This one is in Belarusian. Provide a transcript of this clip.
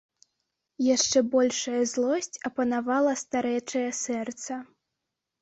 Яшчэ большая злосць апанавала старэчае сэрца.